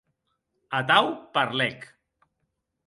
Atau parlec.